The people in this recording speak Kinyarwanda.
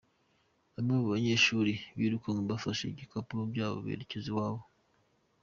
Bamwe mu banyeshuli birukanwe bafashe ibikapu byabo berekeza iwabo.